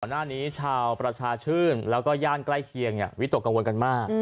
หน้านี้ชาวประชาชื่นแล้วก็ย่านใกล้เคียงวิตกกังวลกันมาก